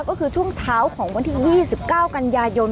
ก็คือช่วงเช้าของวันที่๒๙กันยายน